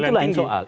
iya itu lain soal